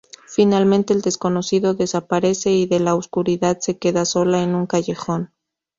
Finalmente, el desconocido desaparece y de la oscuridad se queda sola en un callejón.